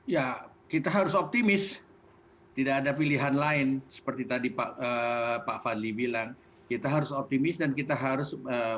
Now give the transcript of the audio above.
ya kita harus optimis tidak ada pilihan lain seperti tadi pak fadli bilang kita harus optimis dan kita harus